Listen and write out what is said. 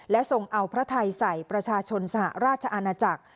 ทรงเอาพระไทยใส่ประชาชนสหราชอาณาจักร